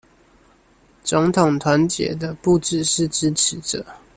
總統團結的不只是支持者